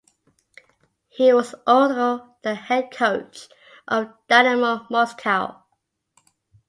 He was also the head coach of Dynamo Moscow.